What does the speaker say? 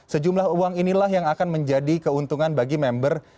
sejumlah uang inilah yang akan menjadi keuntungan bagi member